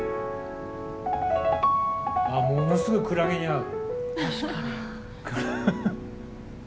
ものすごいクラゲに合う。